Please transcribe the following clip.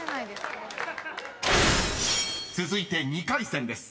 ［続いて２回戦です。